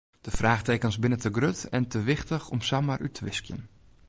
De fraachtekens binne te grut en te wichtich om samar út te wiskjen.